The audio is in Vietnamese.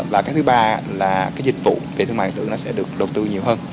và thứ ba là dịch vụ về thương mại điện tử sẽ được đầu tư nhiều hơn